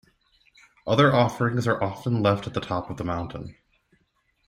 Other offerings are often left at the top of the mountain.